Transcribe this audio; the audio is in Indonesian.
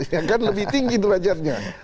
ya kan lebih tinggi derajatnya